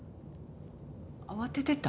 慌ててた？